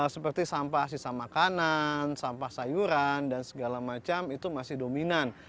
seperti sampah sisa makanan sampah sayuran dan segala macam itu masih dominan